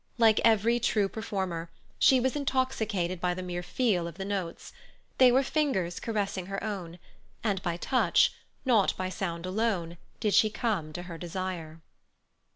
Like every true performer, she was intoxicated by the mere feel of the notes: they were fingers caressing her own; and by touch, not by sound alone, did she come to her desire.